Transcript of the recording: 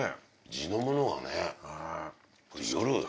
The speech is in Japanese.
地のものはね。